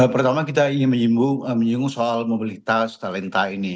pertama kita ingin menyinggung soal mobilitas talenta ini